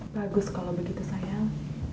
bagus kalau begitu sayang